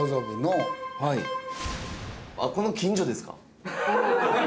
あっこの近所ですか？